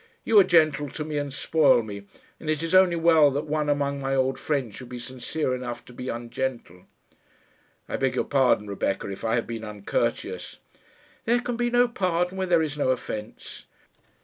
You are gentle to me and spoil me, and it is only well that one among my old friends should be sincere enough to be ungentle." "I beg your pardon, Rebecca, if I have been uncourteous." "There can be no pardon where there is no offence."